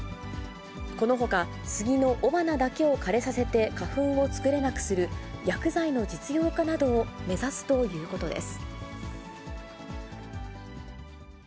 このほか、スギの雄花だけを枯れさせて花粉を作れなくする薬剤の実用化などを目指すということです。